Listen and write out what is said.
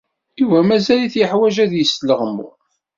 Yuba mazal-it yeḥwaj ad yesleɣmu.